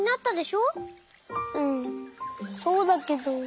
うんそうだけど。